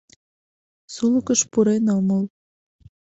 Сулыкыш пурен омыл..